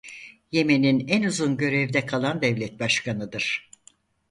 Yemen'in en uzun görevde kalan devlet başkanıdır.